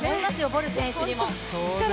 ボル選手にも。